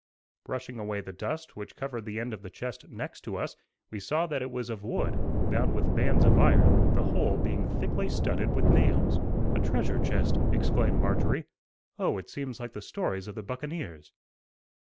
Brushing away the dust which covered the end of the chest next to us, we saw that it was of wood, bound with bands of iron, the whole being thickly studded with nails. "A treasure chest," exclaimed Marjorie; "oh, it seems like the stories of the buccaneers."